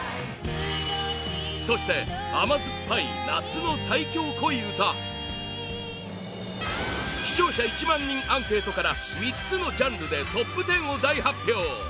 そして甘酸っぱい夏の最強恋うた視聴者１万人アンケートから３つのジャンルでトップ１０を大発表